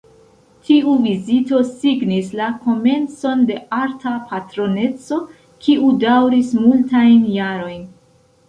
Tiu vizito signis la komencon de arta patroneco, kiu daŭris multajn jarojn.